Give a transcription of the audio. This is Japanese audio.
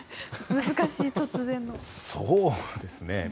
そうですね。